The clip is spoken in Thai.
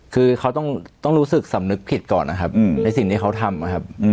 คือเขาต้องรู้สึกสำนึกผิดก่อนนะครับในสิ่งที่เขาทำนะครับ